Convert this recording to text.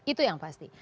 itu yang pasti